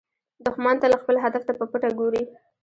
دښمن تل خپل هدف ته په پټه ګوري